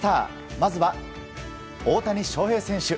まずは大谷翔平選手。